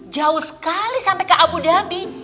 jauh sekali sampai ke abu dhabi